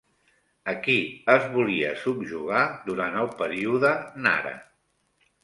A qui es volia subjugar durant el període Nara?